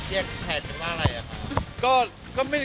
เรียกแถนว่าอะไรล่ะครับ